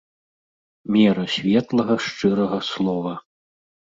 Мера светлага шчырага слова.